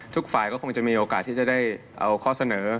ทุกฝ่ายก็คงจะมีโอกาสที่จะได้เอาข้อเสนอ